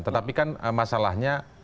tetapi kan masalahnya